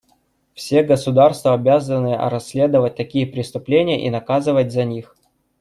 Все государства обязаны расследовать такие преступления и наказывать за них.